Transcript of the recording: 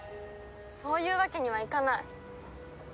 そういうわけにはいかない。